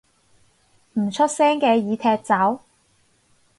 唔出聲嘅已踢走